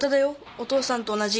お父さんと同じ。